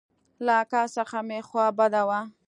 له اکا څخه مې خوا بده وه.